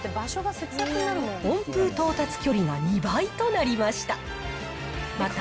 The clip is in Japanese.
温風到達距離は２倍となりました。